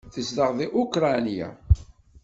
Tezdeɣ deg Ukṛanya.